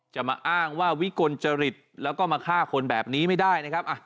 จะมาอ้างว่าวิกลจริตแล้วก็มาฆ่าคนแบบนี้ไม่ได้นะครับ